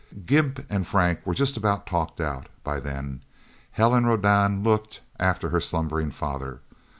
Gimp and Frank were just about talked out, by then. Helen Rodan looked after her slumbering father.